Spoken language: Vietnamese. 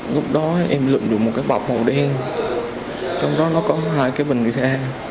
lúc đó em lựng được một cái bọc màu đen trong đó nó có hai cái bình ghi ra